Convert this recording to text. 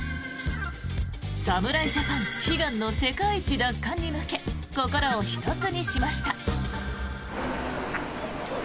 侍ジャパン悲願の世界一奪還に向け心を一つにしました。